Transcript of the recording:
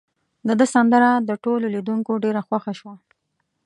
د ده سندره د ټولو لیدونکو ډیره خوښه شوه.